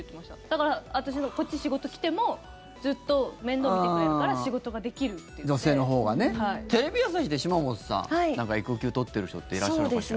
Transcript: だから、こっち仕事に来てもずっと面倒見てくれるから女性のほうはね。テレビ朝日って、島本さんなんか育休取ってる人っていらっしゃるのかしら。